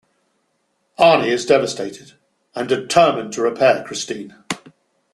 Arnie is devastated and determined to repair Christine.